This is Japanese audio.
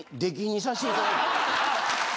さしていただいて。